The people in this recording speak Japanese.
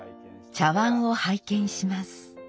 茶碗を拝見します。